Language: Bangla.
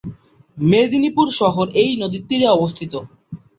মেদিনীপুর শহর এই নদীর তীরে অবস্থিত।